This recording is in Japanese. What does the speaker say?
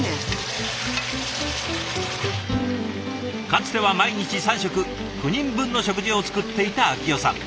かつては毎日３食９人分の食事を作っていた明代さん。